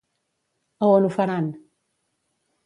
A on ho faran?